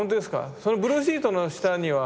そのブルーシートの下には。